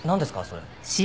それ。